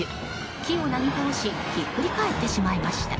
木をなぎ倒しひっくり返ってしまいました。